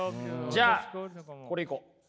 じゃこれいこう。